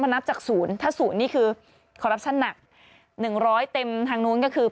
มันนับจาก๐ถ้า๐นี่คือขอรับชั่นหนัก๑๐๐เต็มทางนู้นก็คือ